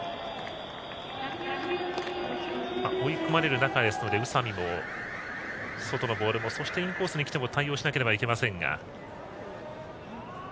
追い込まれる中ですので宇佐見も外のボールやインコースにきても対応しなければなりませんが。